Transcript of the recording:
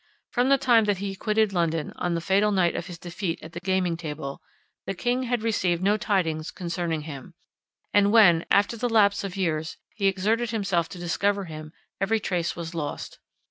From the time that he had quitted London, on the fatal night of his defeat at the gaming table, the king had received no tidings concerning him; and when, after the lapse of years, he exerted himself to discover him, every trace was lost.